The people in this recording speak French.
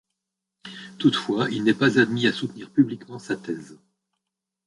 Toutefois, il n'est pas admis à soutenir publiquement sa thèse.